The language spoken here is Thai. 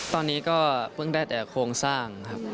ตอนนี้ก็เพิ่งได้แต่โครงสร้างครับ